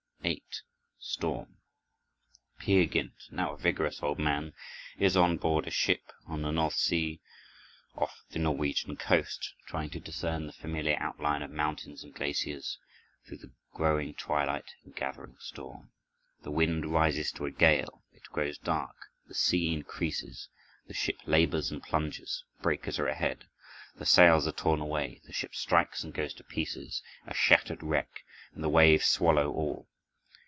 8. Storm Peer Gynt, now a vigorous old man, is on board a ship on the North Sea off the Norwegian coast, trying to discern the familiar outline of mountains and glaciers through the growing twilight and gathering storm. The wind rises to a gale; it grows dark; the sea increases; the ship labors and plunges; breakers are ahead; the sails are torn away; the ship strikes and goes to pieces, a shattered wreck, and the waves swallow all.